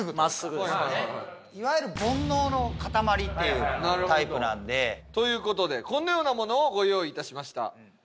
いわゆる煩悩の塊っていうタイプなんで。という事でこのようなものをご用意いたしました。